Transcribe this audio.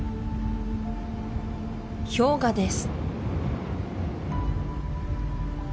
氷河です